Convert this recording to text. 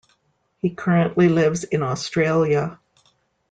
He currently lives in Australia.